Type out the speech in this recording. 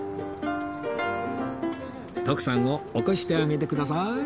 徳さんを起こしてあげてください